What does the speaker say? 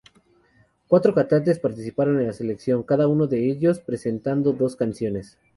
Cuatro cantantes participaron en la selección, cada uno de ellos presentando dos canciones.